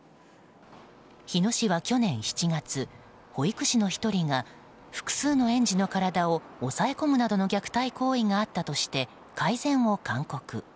日野市は去年７月保育士の１人が複数の園児の体を押さえ込むなどの虐待行為があったとして改善を勧告。